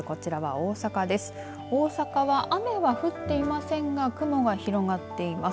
大阪は雨は降っていませんが雲が広がっています。